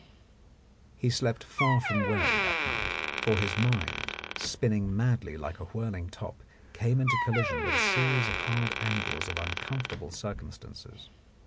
He slept far from well that night, for his mind, spinning madly like a whirling top, came into collision with a series of hard angles of uncomfortable circumstances.